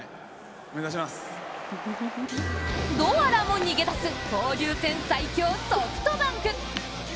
ドアラも逃げ出す交流戦最強・ソフトバンク。